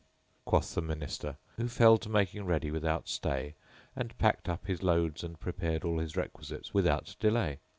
quoth the Minister, who fell to making ready without stay and packed up his loads and prepared all his requisites without delay.